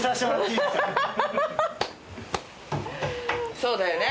そうだよね。